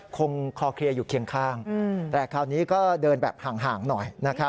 คอเคลียร์อยู่เคียงข้างแต่คราวนี้ก็เดินแบบห่างหน่อย